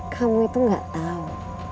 kamu itu gak tau